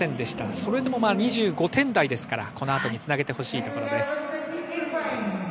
それでも２５点台ですから、この後につなげてほしいです。